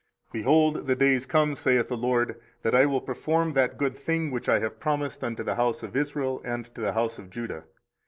24:033:014 Behold, the days come, saith the LORD, that I will perform that good thing which I have promised unto the house of Israel and to the house of Judah.